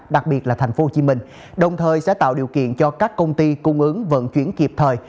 đặc biệt là tp hcm đồng thời sẽ tạo điều kiện cho các công ty cung ứng vận chuyển kịp thời